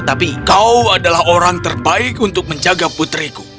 tapi kau adalah orang terbaik untuk menjaga putriku